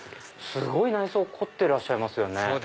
すごい内装凝ってらっしゃいますよね。